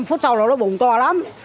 năm phút sau là nó bùng to lắm